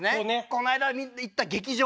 この間行った劇場。